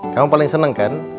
kamu paling seneng kan